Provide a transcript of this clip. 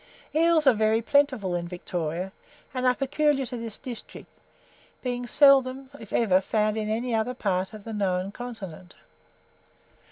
Eels are very plentiful in Victoria, and are peculiar to this district, being seldom, if ever, found in any other part of the known continent.